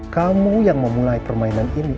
kamu yang memulai permainan ini